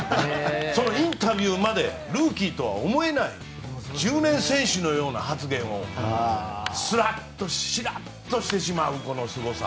そのインタビューまでルーキーとは思えない１０年選手のような発言をすらっとしてしまうこのすごさ。